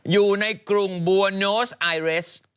อยู่ในกรุงบัวโนสไอเรส